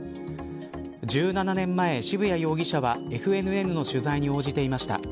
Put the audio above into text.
１７年前、渋谷容疑者はＦＮＮの取材に応じていました。